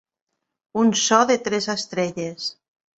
Un so de tres estrelles.